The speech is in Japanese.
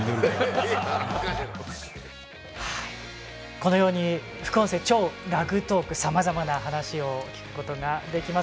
このように副音声「超ラグトーク」さまざまな話聞くことができます。